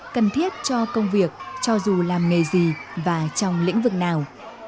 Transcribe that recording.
cần thiết cho công việc cho dù làm nghề gì và trong lĩnh vực nào